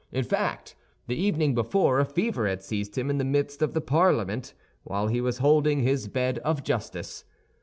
In fact, the evening before, a fever had seized him in the midst of the Parliament, while he was holding his Bed of Justice.